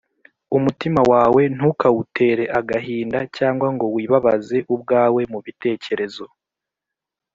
Umutima wawe ntukawutere agahinda, cyangwa ngo wibabaze ubwawe mu bitekerezo.